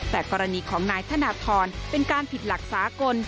แต่กรณีของนายธนทรเป็นการผิดหลักสากล